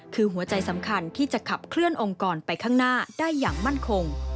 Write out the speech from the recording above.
คือหัวใจสำคัญที่จะขับเคลื่อนองค์กรไปข้างหน้าได้อย่างมั่นคง